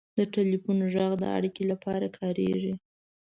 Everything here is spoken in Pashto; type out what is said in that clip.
• د ټلیفون ږغ د اړیکې لپاره کارېږي.